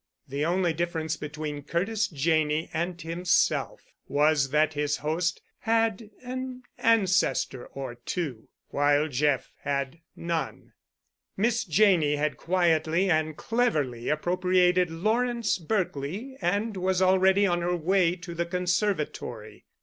The only difference between Curtis Janney and himself was that his host had an ancestor or two—while Jeff had none. Miss Janney had quietly and cleverly appropriated Lawrence Berkely and was already on her way to the conservatory.